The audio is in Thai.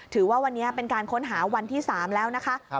ถือว่าวันนี้เป็นการค้นหาวันที่๓แล้วนะคะ